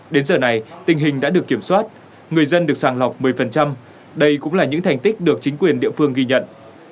đến giờ này tình hình đã được kiểm soát người dân được sàng lọc một mươi đây cũng là những thành tích được chính quyền địa phương ghi nhận